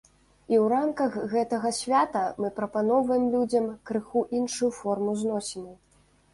І ў рамках гэтага свята мы прапаноўваем людзям крыху іншую форму зносінаў.